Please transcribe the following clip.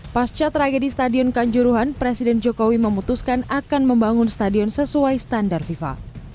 pasca tragedi stadion kanjuruhan presiden jokowi memutuskan akan membangun stadion sesuai standar fifa